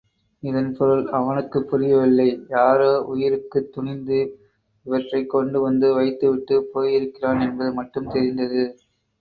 இதன் பொருள் அவனுக்குப் புரியவில்லை யாரோ, உயிருக்குத் துணிந்து, இவற்றைக் கொண்டுவந்து வைத்துவிட்டுப் போயிருக்கிறான் என்பது மட்டும் தெரிந்தது.